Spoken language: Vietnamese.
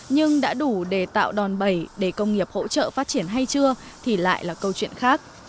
nhưng đã đủ để tạo đòn bẩy để công nghiệp hỗ trợ phát triển hay chưa thì lại là câu chuyện khác